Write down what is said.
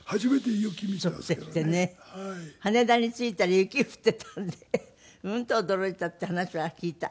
羽田に着いたら雪降っていたんでうんと驚いたっていう話は聞いた。